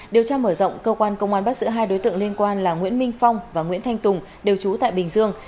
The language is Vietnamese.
điều tra mở rộng cơ quan công an bắt giữ hai đối tượng liên quan là nguyễn minh phong và nguyễn thanh tùng đều trú tại bình dương